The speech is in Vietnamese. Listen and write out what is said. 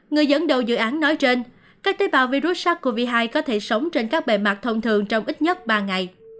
người dẫn đầu dự án nói trên các tế bào virus sars cov hai có thể sống trên các bề mặt thông thường trong ít nhất ba ngày